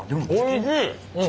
おいしい！